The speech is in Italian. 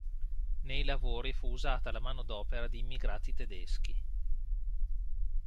Nei lavori fu usata la manodopera di immigrati tedeschi.